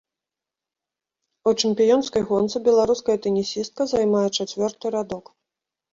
У чэмпіёнскай гонцы беларуская тэнісістка займае чацвёрты радок.